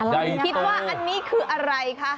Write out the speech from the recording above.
คิดว่าอันนี้คืออะไรคะ